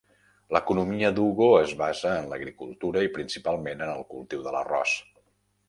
L'economia d'Ugo es basa en l'agricultura i principalment en el cultiu de l'arròs.